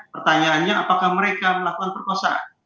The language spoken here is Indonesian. pertanyaannya apakah mereka melakukan perkosaan